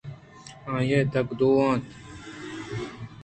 آئی ءَ دگہ دو